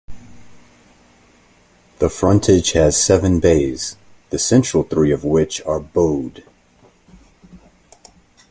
The frontage has seven bays, the central three of which are bowed.